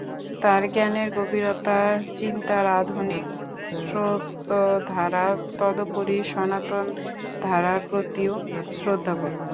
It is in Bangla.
তার জ্ঞানের গভীরতা, চিন্তার আধুনিক স্রোতোধারা, তদুপরি সনাতন ধারার প্রতিও শ্রদ্ধাবোধ।